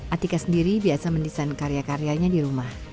atika sendiri biasa mendesain karya karyanya di rumah